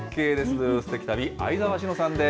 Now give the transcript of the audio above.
土曜すてき旅、相沢志野さんです。